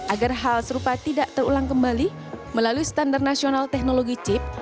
agar hal serupa tidak terulang kembali melalui standar nasional teknologi chip